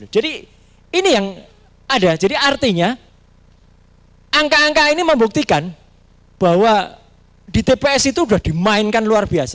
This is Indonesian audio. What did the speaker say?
jadi ini yang ada artinya angka angka ini membuktikan bahwa di tps itu sudah dimainkan luar biasa